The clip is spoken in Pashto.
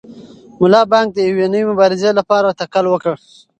ملا بانګ د یوې نوې مبارزې لپاره تکل وکړ.